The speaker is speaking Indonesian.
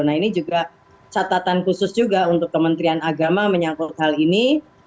nah ini juga catatan khusus juga untuk kementerian agama menyangkut hal ini